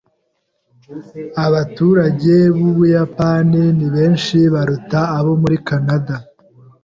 Abaturage b'Ubuyapani ni benshi kuruta abo muri Kanada.